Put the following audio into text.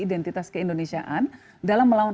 identitas keindonesiaan dalam melawan